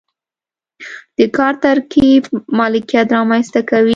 د کار ترکیب مالکیت رامنځته کوي.